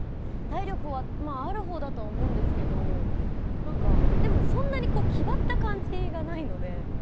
体力は、まああるほうだとは思うんですけどでも、そんなに気張った感じがないので。